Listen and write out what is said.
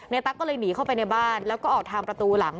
ตั๊กก็เลยหนีเข้าไปในบ้านแล้วก็ออกทางประตูหลัง